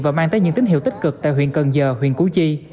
và mang tới những tín hiệu tích cực tại huyện cần giờ huyện củ chi